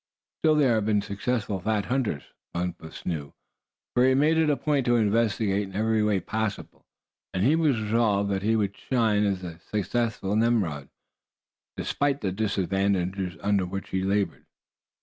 Still, there have been successful fat hunters. Bumpus knew, for he had made it a point to investigate in every way possible, and he was resolved that he would shine as a successful Nimrod, despite the disadvantages under which he labored.